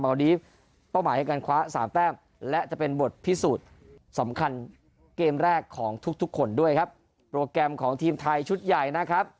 เป้าหมายให้การคว้า๓แป้มและจะเป็นบทพิสูจน์สำคัญเกมแรกของทุกคนด้วยครับโปรแกรมของทีมไทยชุดใหญ่นะครับ